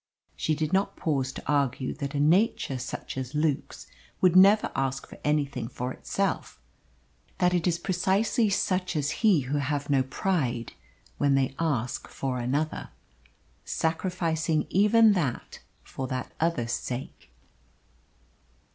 She did not pause to argue that a nature such as Luke's would never ask anything for itself that it is precisely such as he who have no pride when they ask for another, sacrificing even that for that other's sake.